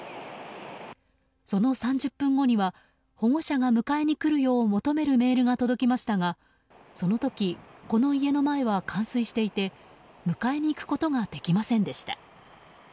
その３０分後には保護者が迎えに来るよう求めるメールが届きましたがその時、この家の前は冠水していて迎えに行くことができませんでした。